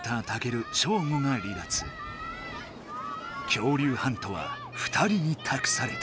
恐竜ハントは２人にたくされた。